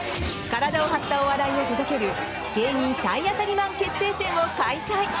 体を張ったお笑いを届ける芸人体当たりマン決定戦を開催。